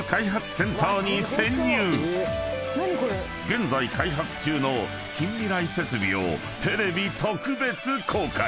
［現在開発中の近未来設備をテレビ特別公開！］